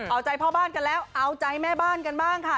เอาใจพ่อบ้านกันแล้วเอาใจแม่บ้านกันบ้างค่ะ